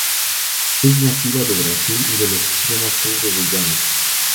Es nativa de Brasil y del extremo sur de Guyana.